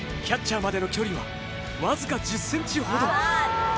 キャッチャーまでの距離はわずか１０ｃｍほど。